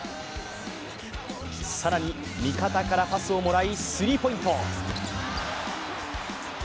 更に、味方からパスをもらい、スリーポイント。